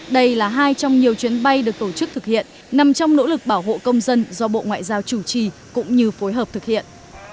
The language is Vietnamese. đây là hai trong nhiều chuyến bay được tổ chức thực hiện nằm trong nỗ lực bảo hộ công dân do bộ ngoại giao chủ trì cũng như phối hợp thực hiện